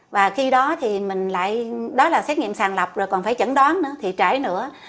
và khi đó thì mình lại đó là xét nghiệm sàng lọc rồi còn phải chẩn đoán nữa thì trải nữa